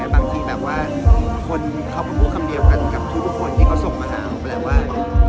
บางทีเขาก็พูดคำเดียวกันกับทุกคนที่เขาส่งมาหาว่า